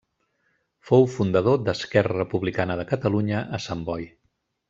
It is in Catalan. Fou fundador d'Esquerra Republicana de Catalunya a Sant Boi.